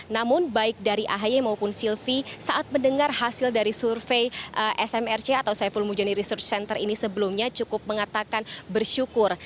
namun baik dari ahy maupun silvi saat mendengar hasil dari survei smrc atau saiful mujani research center ini sebelumnya cukup mengatakan bersyukur